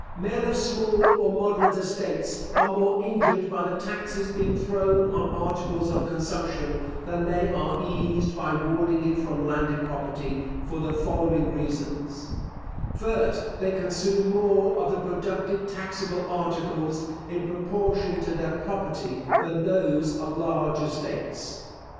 Men of small or moderate estates are more injured by the taxes being thrown on articles of consumption, than they are eased by warding it from landed property, for the following reasons: First, They consume more of the productive taxable articles, in proportion to their property, than those of large estates.